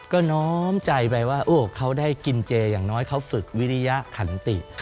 ก็น้อมใจไปว่าเขาได้กินเจอย่างน้อยเขาฝึกวิริยขันติ